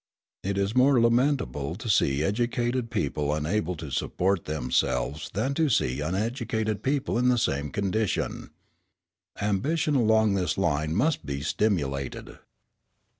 It is more lamentable to see educated people unable to support themselves than to see uneducated people in the same condition. Ambition all along this line must be stimulated.